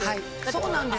そうなんです。